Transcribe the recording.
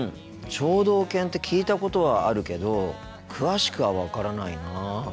聴導犬って聞いたことはあるけど詳しくは分からないな。